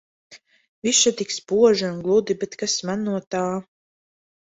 Viss še tik spoži un gludi, bet kas man no tā.